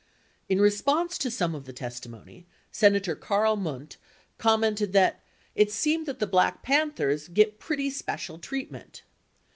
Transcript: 56 In re sponse to some of the testimony, Senator Karl Mundt commented that it seemed that the Black Panthers "get pretty special treatment."